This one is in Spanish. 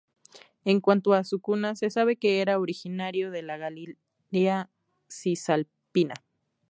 En cuanto a su cuna, se sabe que era originario de la Galia Cisalpina.